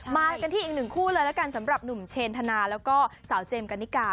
มากันที่อีกหนึ่งคู่เลยแล้วกันสำหรับหนุ่มเชนธนาแล้วก็สาวเจมส์กันนิกา